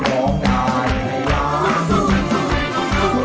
โอเค